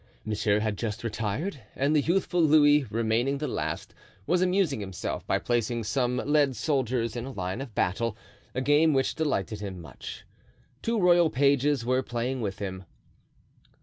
Monsieur had just retired, and the youthful Louis, remaining the last, was amusing himself by placing some lead soldiers in a line of battle, a game which delighted him much. Two royal pages were playing with him.